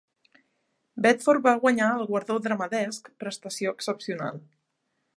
Bedford va guanyar el guardó Drama Desk, prestació excepcional.